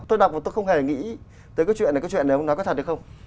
tôi đọc mà tôi không hề nghĩ tới cái chuyện này cái chuyện này nói có thật hay không